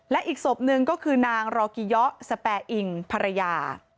และอีกศพหนึ่งก็คือนางรอกิเยาะสแปอิงภรรยา